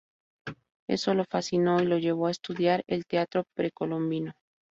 Eso lo fascinó y lo llevó a estudiar el teatro precolombino.